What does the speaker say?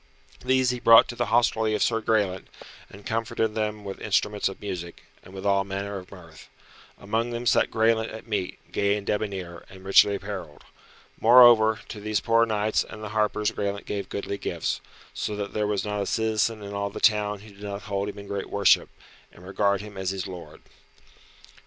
These he brought to the hostelry of Sir Graelent, and comforted them with instruments of music, and with all manner of mirth. Amongst them sat Graelent at meat, gay and debonair, and richly apparelled. Moreover, to these poor knights and the harpers Graelent gave goodly gifts, so that there was not a citizen in all the town who did not hold him in great worship, and regard him as his lord.